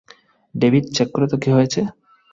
David, check করো তো কি হয়েছে!